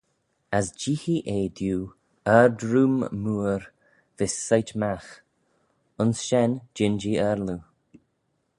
As jeeaghee eh diu ard-room mooar vees soit magh: ayns shen jean-jee aarloo.